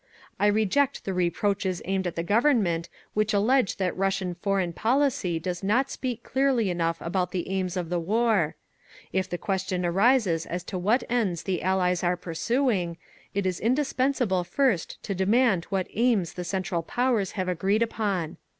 "I reject the reproaches aimed at the Government which allege that Russian foreign policy does not speak clearly enough about the aims of the war…. "If the question arises as to what ends the Allies are pursuing, it is indispensable first to demand what aims the Central Powers have agreed upon….